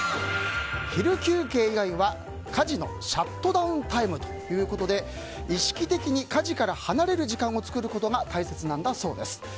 昼休憩以外は家事のシャットダウンタイムということで意識的に家事から離れる時間を作ることが大切なんだそうです。